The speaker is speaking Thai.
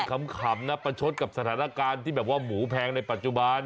ขำนะประชดกับสถานการณ์ที่แบบว่าหมูแพงในปัจจุบัน